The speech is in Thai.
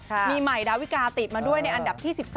มีใหม่ดาวิกาติดมาด้วยในอันดับที่๑๓